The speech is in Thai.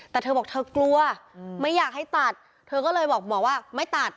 แต่เธอบอกเธอกลัวไม่อยากให้ตัดเธอก็เลยบอกหมอว่าไม่ตัด